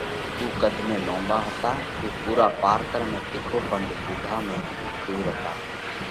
اُو قڌ ۾ لونٻا هتا۔ اُو پُورا پارڪر ۾ تِکو پنڌ ووڍا ۾ مشهُور هتا۔